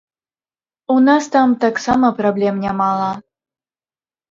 У нас там таксама праблем нямала.